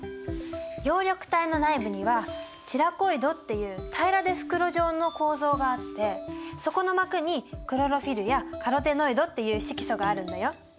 葉緑体の内部にはチラコイドっていう平らで袋状の構造があってそこの膜にクロロフィルやカロテノイドっていう色素があるんだよ。